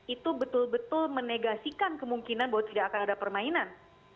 itu betul betul menegasikan kemungkinan bahwa tidak akan ada permainan